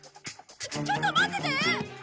ちょっと待ってて！